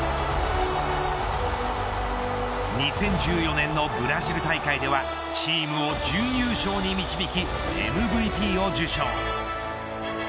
２０１４年のブラジル大会ではチームを準優勝に導きＭＶＰを受賞。